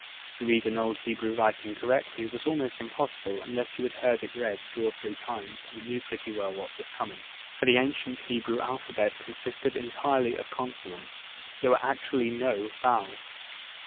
To read an old Hebrew writing correctly was almost impossible, unless you had heard it read two or three times, and knew pretty well what was coming. For the ancient Hebrew alphabet consisted entirely of consonants; there were actually no vowels!